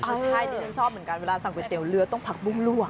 ใช่ดิฉันชอบเหมือนกันเวลาสั่งก๋วยเตี๋ยวเรือต้องผักบุ้งลวก